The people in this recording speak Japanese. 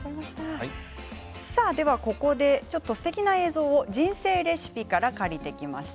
ここですてきな映像を「人生レシピ」から借りてきました。